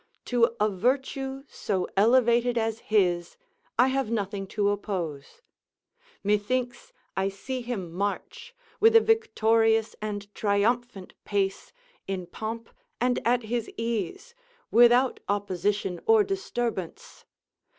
To a virtue so elevated as his, I have nothing to oppose. Methinks I see him march, with a victorious and triumphant pace, in pomp and at his ease, without opposition or disturbance.